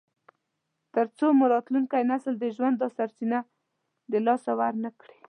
تر څو مو راتلونکی نسل د ژوند دا سرچینه د لاسه ورنکړي.